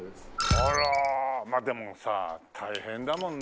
あらまあでもさ大変だもんね。